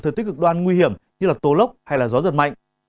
thời tiết cực đoan nguy hiểm như tố lốc hay gió giật mạnh